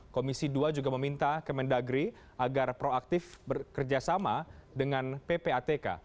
komisi dua juga meminta kementerian dalam negeri agar proaktif bekerjasama dengan ppatk